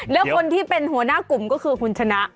แล้วคนที่เป็นหัวหน้ากลุ่มก็คือคุณชนะ